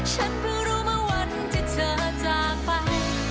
ฉันเพิ่งรู้มาวันที่เธอจากไป